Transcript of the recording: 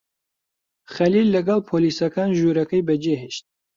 خەلیل لەگەڵ پۆلیسەکان ژوورەکەی بەجێهێشت.